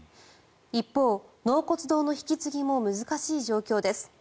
一方、納骨堂の引き継ぎも難しい状況です。